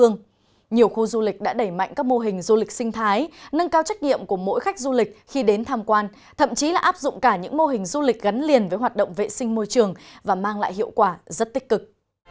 nhiều khu du lịch đã đẩy mạnh các mô hình du lịch sinh thái nâng cao trách nhiệm của mỗi khách du lịch khi đến tham quan thậm chí là áp dụng cả những mô hình du lịch gắn liền với hoạt động vệ sinh môi trường và mang lại hiệu quả rất tích cực